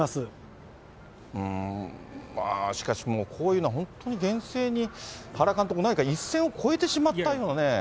まあしかし、こういうのは本当に厳正に、原監督、何か一線を越えてしまったようなね。